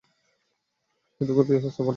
কে তোকে বিয়ের প্রস্তাব পাঠাবে?